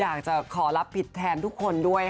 อยากจะขอรับผิดแทนทุกคนด้วยค่ะ